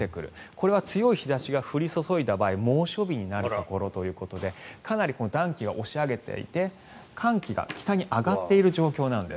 これは強い日差しが降り注いだ場合猛暑日になるところということでかなり暖気が押し上げていて寒気が北に上がっている状況なんです。